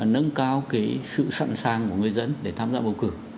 nâng cao sự sẵn sàng của người dân để tham gia bầu cử